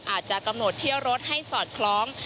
อาจจะกำหนดเที่ยวรถให้สอดคล้อง